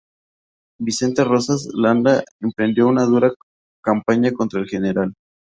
Vicente Rosas Landa emprendió una dura campaña contra el Gral.